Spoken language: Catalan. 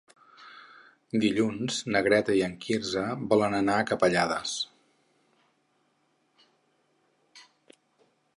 Dilluns na Greta i en Quirze volen anar a Capellades.